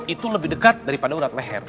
itu lebih dekat daripada urat leher